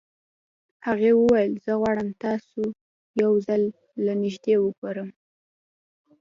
هغې وويل زه غواړم تاسو يو ځل له نږدې وګورم.